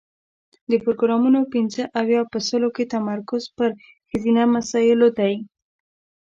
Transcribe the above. د پروګرامونو پنځه اویا په سلو کې تمرکز یې پر ښځینه مسایلو دی.